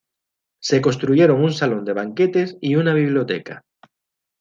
Se construyeron un salón de banquetes y una biblioteca.